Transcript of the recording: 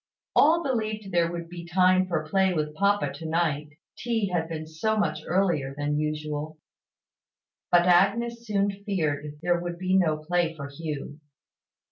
All believed there would be time for play with papa to night, tea had been so much earlier than usual. But Agnes soon feared there would be no play for Hugh.